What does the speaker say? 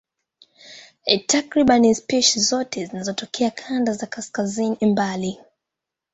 Takriban spishi zote zinatokea kanda za kaskazini mbali.